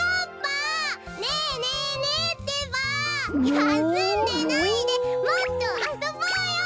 やすんでないでもっとあそぼうよ！